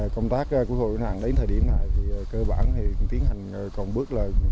công tác cứu hộ cứu nạn đến thời điểm này thì cơ bản thì tiến hành cộng bước là